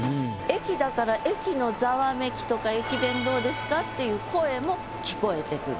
駅だから駅のざわめきとか「駅弁どうですか？」っていう声も聞こえてくる。